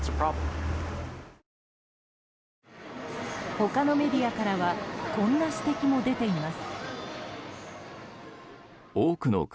他のメディアからはこんな指摘も出ています。